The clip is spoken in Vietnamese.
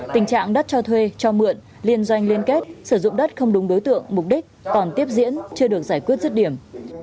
tình trạng đất cho thuê cho mượn liên doanh liên kết sử dụng đất không đúng đối tượng mục đích còn tiếp diễn chưa được giải quyết rứt điểm